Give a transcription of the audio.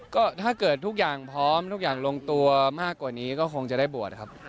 ก็ถ้าเกิดทุกอย่างพร้อมทุกอย่างลงตัวมากกว่านี้ก็คงจะได้บวชครับ